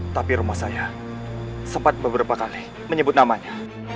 tapi rumah saya sempat beberapa kali menyebut namanya